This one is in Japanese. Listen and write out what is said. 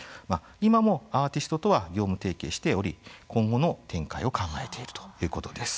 今もアーティストとは業務提携しており今後の展開を考えているということです。